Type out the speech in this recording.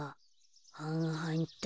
はんはんっと。